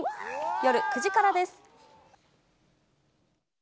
夜９時からです。